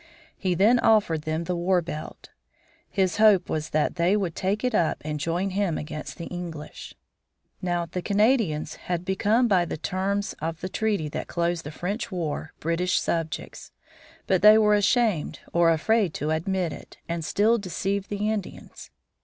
He then offered them the war belt. His hope was that they would take it up and join him against the English. Now, the Canadians had become by the terms of the treaty that closed the French war, British subjects, but they were ashamed or afraid to admit it, and still deceived the Indians.